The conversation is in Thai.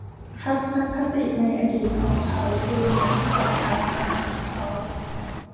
ทัศนคติในอดีตของเขาดูเหมือนจะกลับมาหาเขา